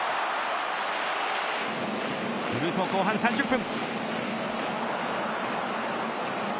すると後半３０分。